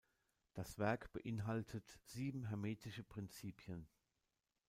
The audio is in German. Das Werk beinhaltet sieben „hermetische Prinzipien“.